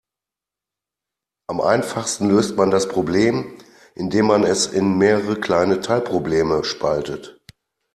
Am einfachsten löst man das Problem, indem man es in mehrere kleine Teilprobleme spaltet.